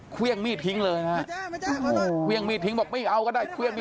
เครื่องมีดทิ้งเลยนะครับ